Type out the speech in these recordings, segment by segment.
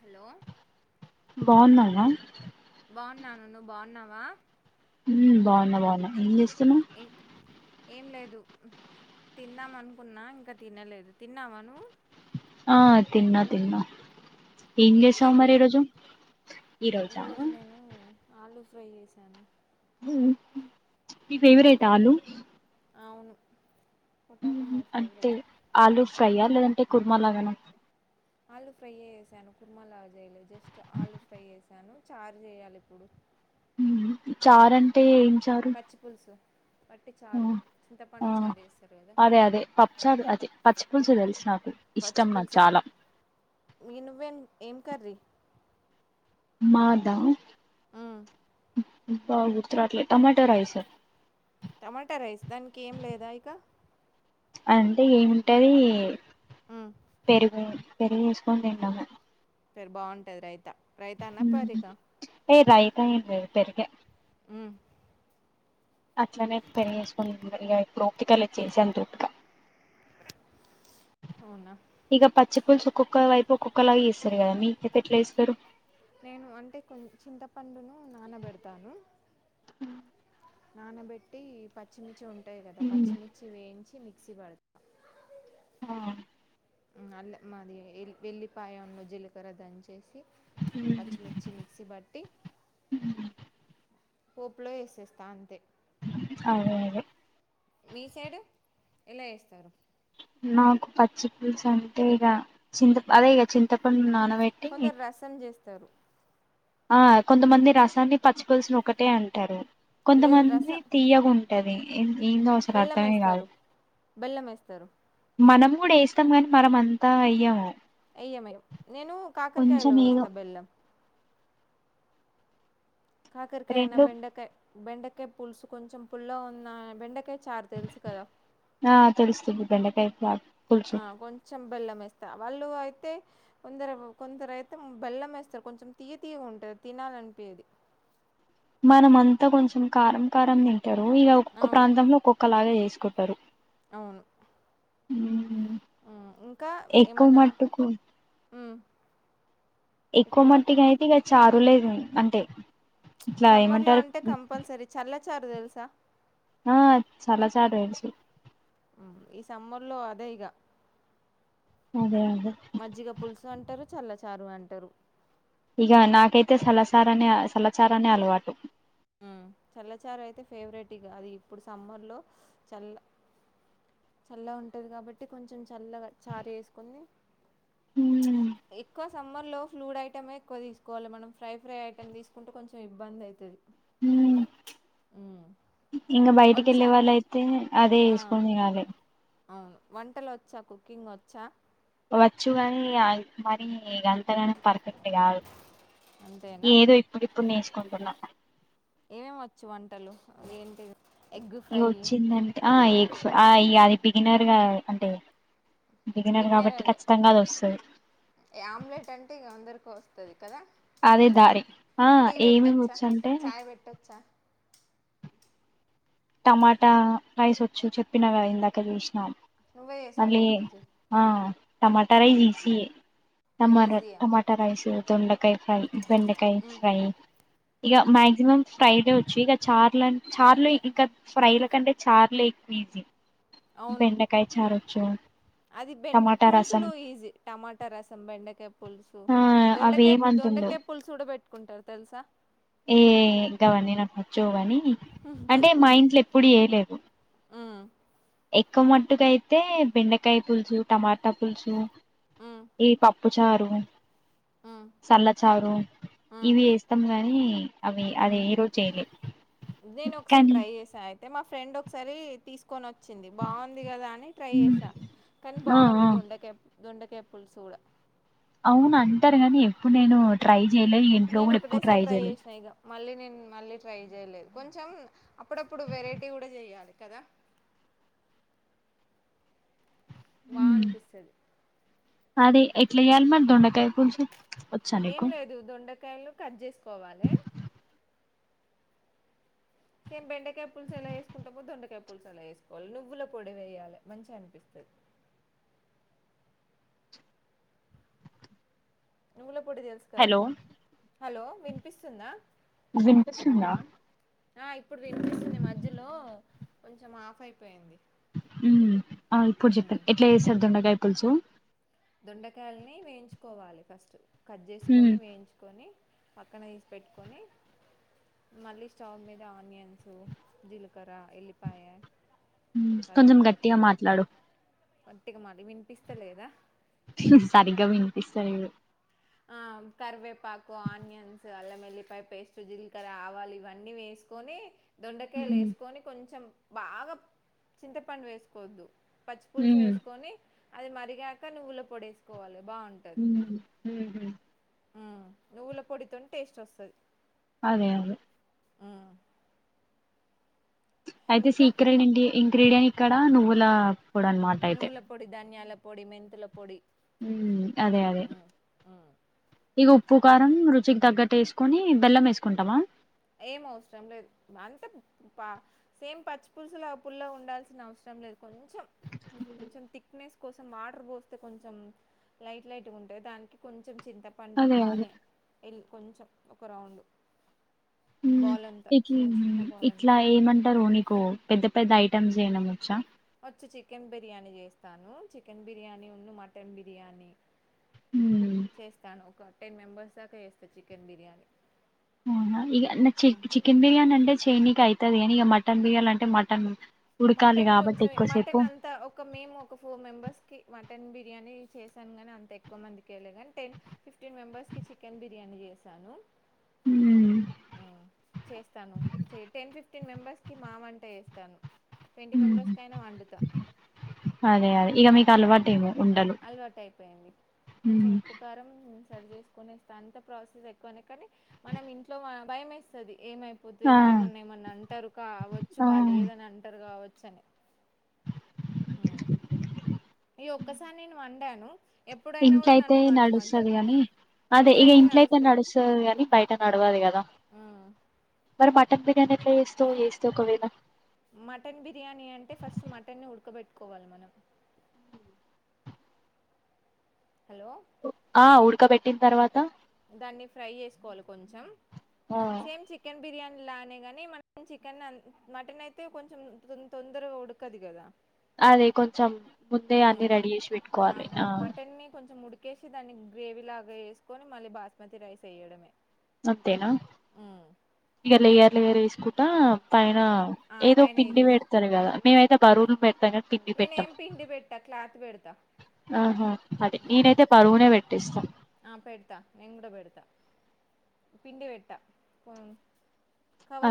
Hello బాగున్నారా బాగున్నాను నువ్వు బాన్నావా హు బాగున్నా బాగున్నా ఏం చేస్తున్నావ్ ఏ ఏం లేదు తిందాము అనుకున్నా ఇంకా తినలేదు తిన్నావా నువ్వు ఆ తిన్నా తిన్నా ఏం చేసావు మరి ఈ రోజు ఈ రోజా ఆలు ఫ్రై చేశాను ఉహు మీ ఫేవరెట్ ఇప్పుడు ఆలు అవును పొటాటో ఉహు మై అంటే ఫేవరెట్ ఆలుూ ఫ్రై లేదంటే కుర్మ లాగాన ఆలు ఫ్రై చేశాను కుర్మలాగా జేయలేదు జస్ట్ ఆలు ఫ్రై చేశా చేశాను చార్ చేయాలి ఇప్పుడు చార్ అంటే ఏ పచ్చిపులుసు వట్టి చారు ఆ, చింతపండు చారు చేస్తారు కదా అదే అదే పప్పుచారు అదే పచ్చిపులుసు తెలుసునా పచ్చిపులుసే మీ నువ్వు ఏం కర్రీ మాదా మ్మ్. అబ్బా గుర్తు రావట్లే టమాటో రైస్ టమాటా రైస్ దానికి ఏం లేదా ఇక అంటే ఏముంటది హ్మ్. పెరుగు పెరుగు ఏసుకొని తిండము పేరు బాగుంటది రైత రైత నా ఉమ్, పరిక ఏ రైత ఏమీలేదు పెరుగే ఉ అట్లనే పెరుగు ఏసుకుని [unintelligible] అవునా? ఇక పచ్చి పులుసు ఒక్కొక్క వైపు ఒక్కొక్కలాగా చేస్తారు కదా మీకైతే ఎట్లా చేస్తారు నేను అంటే కొ చింతపండును నానబెడతాను ఉ నానబెట్టి పచ్చిమిర్చి ఉంటాయి కదా పచ్చిమిర్చి వేయించి మిక్సీ పడతా ఆ అల్ల మాది వెళ్లి వెల్లిపాయ జీలకర్రా దంచి ఏసి పచ్చిమిర్చి మిక్సీ పట్టి పోప్ లో వేసేస్తా అంతే అదే అదే మీ సైడు ఎలా చేస్తారు నాకు పచ్చి పులుసు అంటే ఇగ చింత అదే ఇగ చింతపండు నానబెట్టి కొందరు రసం చేస్తారు ఆ కొంతమంది రసాన్ని పచ్చి పులుసుని ఒకటే అంటారు లేదు కొంతమంది రసం తియ్యగుంటది ఏందో అసలు అర్థమే కాదు బెల్లం వేస్తారు మనం కూడా వేస్తాం కానీ మనం అంతా వేయ్యాము ఎయ్యం మేమ్ నేను కాకరకాయలో ఏదో వేస్తా బెల్లం కాకరకాయ ఐనా రెండు బెండకాయ బెండకాయ పులుసు కొంచెం పుల్లగా ఉందా బెండకాయ చారు తెలుసు కదా ఆ తెలుసు అది బెండకాయ పులుసు ఆ కొంచం బెల్లం వేస్తా వాళ్ళు అయితే కొందరు కొందరు అయితే బెల్లం వేస్తారు కొంచెం తీయ తీయగ ఉంటది తినాలనిపియది ఆ మనమంతా కొంచెం కారం కారం తింటరు ఇగ ఒక్కొక్క అవును ప్రాంతంలో ఒక్కొక్కలాగ చేస్ కుంటరు అవును మ్మ్ ఇంకా ఎక్కువ ఏమన్నా మట్టుకు మ్మ్ ఎక్కువ మట్టిగ అయితే ఇక చారులేదు అంటే ఇట్లా సమ్మర్ లో ఏమంటారు అంటే కంపల్సరీ చల్ల చారు తెలుసా ఆ చల్ల చారు తెలుసు ఈ సమ్మర్ లో అదే ఇగ అదే అదే మజ్జిగ పులుసు అంటారు చల్ల చారు అంటారు ఇక నాకైతే సలచార అనే సలచారనే అలవాటు హ్మ్ చల్లచారు అయితే ఫేవరెట్ ఇగ అది ఇప్పుడు సమ్మర్ లో చల్ల చల్లగ ఉంటది కాబట్టి కొంచెం చల్లగా చారు చేసుకొని ఉమ్, ఎక్కువ సమ్మర్ లో ఫ్లూయిడ్ ఐటమే క్కువ తీసుకోవాలే మనం ఫ్రై ఫ్రై ఐటెమ్ తీసుకుంటే కొంచెం ఇబ్బంది అయితది హ్మ్ ఇంగ బయటికి వచ్చా. యెళ్ళే వాళ్ళయితే అదే ఆ! వేసుకొనియాలే అవును వంటలు ఒచ్చా కుకింగ్ ఒచ్చా వచ్చు గాని మరి ఈ గంతగనం పర్ఫెక్ట్ కాదు అంతేనా? ఏదో ఇప్పుడిప్పుడు నేర్చుకుంటున్నా ఏమేమి వచ్చు వంటలు ఏంటి ఎగ్ ఇగ ఫ్రై వచ్చిందంట వచ్చా ఆ అది బిగినర్గా అంటే బిగినర్ కాబట్టి బిగ్నరదే ఖచ్చితంగా అది వస్తది ఆమ్లెట్ అంటే ఇక అందరికి వస్తది కదా! అదే దారి ఆ టీ ఏమిమి పెట్టొచ్చా వచ్చు అంటే చాయ్ పెట్టొచ్చా టమాటా రైస్ వచ్చు చెప్పిన కద ఇందాక చూసినా అని నువ్వే చేసావా మళీ ఈరోజు ఆ టమాట రైస్ మ్మ్ ఈజీయే టమాట ఈజీ అవును టమాటా రైస్ దొండకాయ ఫ్రై బెండకాయ మ్మ్ ఫ్రై ఇగ మ్మ్ మ్యాక్సిమమ్ ఫ్రైలే వచ్చు ఇక చార్ల చార్లు ఇంకా ఫ్రైల కంటే చార్లు ఎక్కువ ఈజీ అవును బెండకాయ చారొచ్చు అది టమాటా రసం పులుసులు ఈజీ టమాటా రసం బెండకాయ పులుసు ఆ పులుసు దొండకాయ్ అవేమంతుండవు దొండకాయ పులుసు కూడా పెట్టుకుంటారు తెలుసా ఏ గవన్నీ నాకు నచ్చవు కాని అంటే మా ఇంట్లో ఎప్పుడు చేయలేదు మ్మ్ ఎక్కువ మట్టుకు అయితే బెండకాయ పులుసు టమాటా పులుసు మ్మ్ ఈ పప్పు చారు మ్మ్ సల్ల చారు మ్మ్ ఇవి చేస్తాం గానీ అవి అవి ఏ రోజు చేయలే నేను ఒకసారి కానీ ట్రై చేసా అయితే మా ఫ్రెండ్ ఒకసారి తీసుకు కొని వచ్చింది బాగుంది కదా అని ట్రై చేసా కానీ ఆ బాగుంది ఆ దొండకాయ్ దొండకాయ పులుసు కూడా అవును అంటారు గాని ఎప్పుడు నేను ట్రై చేయలే ఈ ఇంట్లో నేను కూడా ఎప్పుడు ట్రై ఒకటేసారి చెయ్యలే చేసిన ఇగ మళ్ళీ నేను మళ్ళీ ట్రై చేయలేదు కొంచెం అప్పుడప్పుడు వెరైటీ కూడా చెయాలి కదా ఆ వా అనిపిస్తది అదే ఎట్ల చేయల్ మరి దోండాకాయ పులుసు వచ్చా ఏం నీకు లేదు దొండకాయలు కట్ చేసుకోవాలి సేమ్ బెండకాయ పులుసు ఎలా చేసుకుంటమో దొండకాయ పులుసు అలా చేసుకోవాలి నువ్వుల పొడి వేయాలి మంచిగా అనిపిస్తుంది [inaudible] నువ్వుల పొడి తెలుసు కదా హలో హలో వినిపిస్తుందా వినిపిస్తుందా ఆ ఇప్పుడు వినిపిస్తుంది మధ్యలో కొంచెం ఆఫ్ అయిపోయింది ఉమ్ ఆ ఇప్పుడు ఉమ్ చెప్పండి ఎట్లా చేస్తారు దొండకాయ పులుసు దొండకాయలని వేయించుకోవాలి ఫస్ట్ కట్ మ్మ్. చేసుకొని వేయించుకొని పక్కన తీసి పెట్టుకొని మళ్ళీ స్టవ్ మీద ఆనియన్స్ జీలకర ఎల్లిపాయ కొంచెం గట్టిగా కరివేపాకు మాట్లాడు గట్టిగా మాలి వినిపిస్త లేదా సరిగ్గా వినిపిస్తలేదు ఆ కరివేపాకు ఆనియన్స్ అల్లం ఎల్లిపాయ పేస్టు జీలకర్ర ఆవాలు ఇవన్నీ వేసుకొని దొండకాయలు ఉమ్ వేసుకొని కొంచెం బాగా చింతపండు వేసుకోవద్దు పచ్చి పులుసు వేసుకొని అది మరిగాక నువ్వుల పొడి వేసుకోవాలి బాగుంటుంది ఉమ్ ఉహు నువ్వుల పొడితో టేస్ట్ వస్తది అది కాదు అయితే ఇంకా సీక్రెట్ ఇన్ ఇంక్రీడియం ఇక్కడ నువ్వులా నువ్వుల పొడి ధనియాల పొడి మెంతుల పొడి అదే అదే ఉమ్, ఉమ్, ఇక ఉప్పు ఈ కారం రుచికి తగ్గట్టు కొని బెల్లం వేసుకుంటామా ఏం అవసరం లేదు అంత సేమ్ పచ్చి పులుసులు ఆ పుల్లో ఉండాల్సిన అవసరం లేదు కొంచెం కొంచెం థిక్నెస్ కోసం వాటర్ పోస్తే కొంచెం లైట్ లైట్గా ఉంటే దానికి కొంచం చింతపండు ఒక అదే అదే ఆన్ కొంచ ఒక రౌం బ నీకు ఇట్లా ఏమంటారు నీకు పెద్ద పెద్ద ఐటమ్స్ చేయడం వచ్చా వచ్చు చికెన్ బిర్యానీ చేస్తాను చికెన్ బిర్యానీ ఉన్ను మటన్ బిర్యానీ ఉమ్ చేస్తాను ఒక టెన్ మెంబెర్స్ దాకా చేస్తా చికెన్ బిర్యానీ అవునా ఈ నా చి చికెన్ బిర్యానీ అన్ చెయ్యనీకి అవుతది కానీ ఇక మటన్ బిర్యాలు అంటే మటన్ ఉడకాలి మటన్ కాబట్టి కొంచెం ఎక్కువసేపు మటన్ అంతా ఒక మేము ఒక ఫోర్ మెంబెర్స్ మటన్ బిర్యానీ చేశాను గాని అంత ఎక్కువ మందికి చేయలే కానీ టెన్ ఫిఫ్టీన్ మెంబర్స్ కి చికెన్ బిర్యానీ చేశాను ఉమ్ ఉమ్ చేస్తాను టెన్ ఫిఫ్టీన్ మెంబర్స్ కి మామంటే వేస్తాను అదే అదే ఇక మీకు అలవాటు ఇగ అలవాటు అయిపోయింది కొంచెం ఉమ్. ఉప్పు కారం సరి చేసుకునేస్త అంత ప్రాసెస్ ఎక్కువనే కానీ మనం ఇంట్లో భయం ఎస్తది ఏమైపోతు ఆ ఎవర ఏమన్నా ఏమన్నా అంటరు కావచ్చు ఆ బా లేదని అంటారు కావచ్చని ఈ ఒక్కసారి నేను వండాను ఎప్పుడైనా కూడా ఇంట్లతే నన్నే నడుస్తది వండమంటారు గాని అదే ఇంట్లో ఇగ అయితే ఇంట్లయితే నడుస్తది నడుస్తుది కాని బయట నడవది కదా ఆ మరి మటన్ బిర్యానీ ఎట్ల ఎస్తావ్ ఎస్తే ఒకవేళ మటన్ బిర్యానీ అంటే ఫస్ట్ మటన్ని ఉడకబెట్టుకోవాలి మనం హలో ఆ ఉడకబెట్టిన తర్వాత దాన్ని ఫ్రై చేసుకోవాలి కొంచెం ఆ సేమ్ చికెన్ బిర్యాని లానే గాని మనం చికెన్ మటన్ అయితే కొంచెం తొందరగా ఉడకదు కదా అదే కొంచెం ముందే అన్ని ఉమ్ రెడీ చేసి పెట్టుకోవాలి ఆ క్కేసి దాన్ని గ్రేవీ లాగా ఎసుకొని మళ్ళీ బాస్మతి రైస్ వేయడమే అంతేనా ఉమ్ ఇగ లేయర్ లేయర్ ఏసుకు టా ఆ పైన ఆ, ఏదో పైన పిండి ఇదేసి పెడతారు కదా మేమైతే బరువును పెట్టగాన్ పిండి పెట్టం నేనేం పిండి పెట్టా క్లాత్ పెడతా ఆహా అదే నేనైతే బరువునే పెట్ ఆ పెడతా నీన్ కూడా పెడతా పిండి పెట్టా పో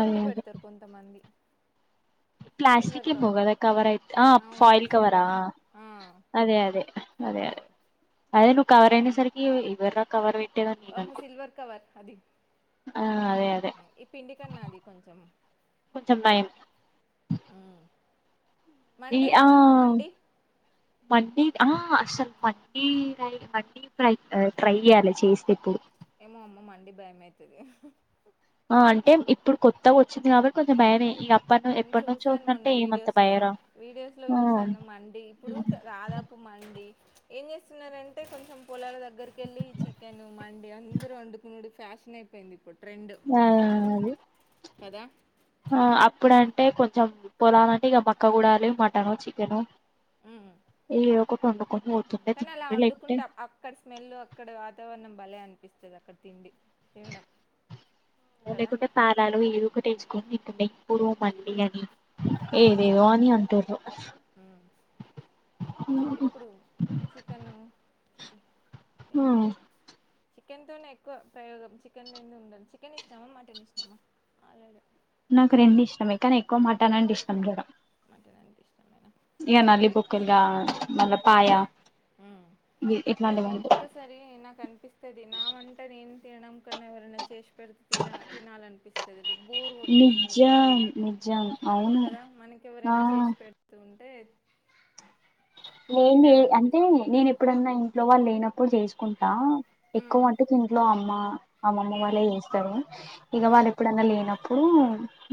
అదే అదే పెడతారు కొంతమంది ప్లాస్టిక్ సిల్వర్ ఏమో కవర్ కదా కావరైత్ ఆ అవును ఫాయిల్ కవరా సిల్వర్ ఆ అదే అదే అదే అదే అదే నువ్వు కవర్ అనేసరికి ఇవర కవర్ పెట్ ఆహ సిల్వర్ కవర్ అది ఆ అదే ఈ పిండి కన్నా అది కొంచం కొంచం నైం ఈ మండి ఆ తిన్నావా మండి మండి ఆ అసలు పట్టి రైల్ పట్టి ఫ్రై ట్రై చేయాలి చేస్తే ఇప్పుడు ఏమో అమ్మ మండి బయమైతది ఆ అంటే ఇప్పుడు కొత్తగొచ్చింది కాబట్టి కొంచం భయనే నీను చూసాను మొన్న వీడియోస్లో భయం రా వీడియోస్లో ఆ చూసాను మండీ ఇప్పుడు రాదా తపు మండీ ఏం చేస్తున్నారంటే కొంచం పొలాల దగ్గరకెళ్లి చికెన్ మండి అందరు వండుకునుడు ఫ్యా షన్ అయిపోయింది ఇప్ మా అదె కదా ఆ అప్పుడంటే కొంచం పొలాలంటే ఇగా బక్కగూడలే మటను చికెను ఉమ్. ఏ ఒక ఒక వండుకొని పోతుండే కానీ అలా తింటుండే లేకుంటే వండుకుంటాం అక్కడ స్మెల్ అక్కడ వాతావరణం భలే అనిపిస్తది అక్కడ్ తిండి తినడం కదా లేకుంటే పానాలు ఏదోకటి ఎచ్చుకొని నిప్పుడు మండీ అని ఆ, ఏదేవో అని అంటుర్రు చే ఇప్పుడు చికెను హ్మ్ ఏంటిది చిక్ చిక్కెన్తోనే ఎక్కువ ప్రయోగం చికెన్ లేంది ఉండను చికెన్ ఇష్టమా మటన్ ఇష్టమా అదదే నాకు రెండు ఇష్టమే కానీ ఎక్కువ మటన్ అంటే ఇష్టం జడ మటన్ అంటే ఇష్టమేన ఇగ నల్లి బొక్కులదా ఏమో ఇట్లాంటివంటే ఒక్కొక్కసారి నాకనిపిస్తది నా వంట నీన్ తినడం కన్నా ఎవరన్నా చేసి పెడితే తిన తినాలనిపిస్తది బోర్ కొట్టేస్తుంది నిజాం రోజునే నిజం అవును ఆ టెత్ లేందే అంటే నేను ఎప్పుడన్నా ఇంట్లో వాళ్ళ లేనప్పుడు చేసుకుంటా ఎక్కువ ఉమ్ వంట తింట్లో అమ్మ అమ్మమ్మ ఉమ్ వాళ్ళే చేస్తారు ఇగా వాళ్ళ ఉమ్ ఎప్పుడన్నా లేనప్పుడు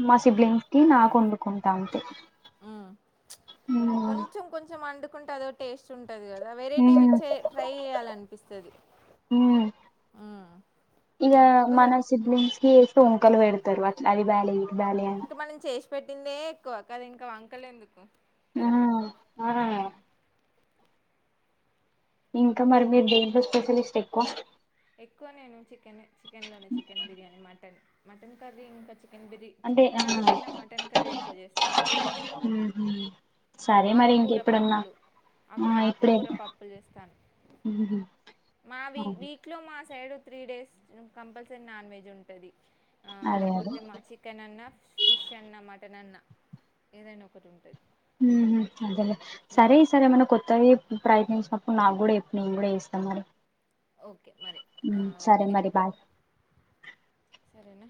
మా సిబ్లింగ్స్కి నాకు వండుకుంటా అంతే హు మ్మ్ కొంచం కొంచం వండుకుంటే అదో టేస్ట్ ఉంట టదు కదా వెరైటీ మ్మ్ విచ్చే ట్రై చేయాలనిపిస్తది హు ఉమ్ ఇగా మన ఒక్కొక్కసారి సిడ్లింగ్స్ టొంకలు పెడతారు అట్లా అది బాలే ఇది బాలే అని ఇంకా మనం చేసి పెట్టిందే ఎక్కువ కది ఇంకా వంకలేందుకు ఆ ఆ ఇంకా మరి మీరదేంట్లో స్పెషలిస్ట్ ఎక్కువ ఎక్కువ నేను చికెనే చికెన్ లోనే chicken biryani mutton mutton curry ఇంకా కెన్ బిడి అంటే చికెన్ ఆ కర్రీ కన్నా మటన్ కర్రీ ఎక్కువ చేస్తాను ఉహు సరే మరి ఆకుకూర ఇంకెప్పుడన్నా పప్పులు ఆక్ ఆ ఇప్పుడే ఆకుకూర పప్పులు చేస్తాను ఉహు మావి వీక్ లో మా side three days compulsory non veg ఉంటది ఆ అదే అదే లేకపోతే మా చికెన్ అన్న ఫిష్ అన్న మటన్ అన్న ఏదైనా ఒకటుటది అదేే సరే ఈ సరే ఏమన్నా కొత్తవి ప్రయత్నించినప్పుడు నాకు కూడాడు నేను కూడా చేస్తాం మరి ఓకే మరి ఉమ్ సరే ఓకే మరి బాయ్ సరేనా